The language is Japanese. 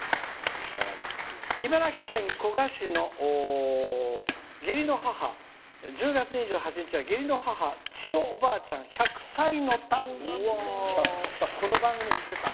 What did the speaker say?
「茨城県古河市１０月２８日は義理の母、ちよおばあちゃん１００歳の誕生日」。